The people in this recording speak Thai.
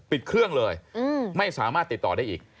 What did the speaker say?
ปิดเครื่องเลยไม่สามารถติดต่อได้อีก